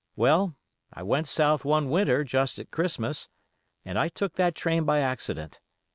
Well, I went South one winter just at Christmas, and I took that train by accident.